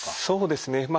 そうですね。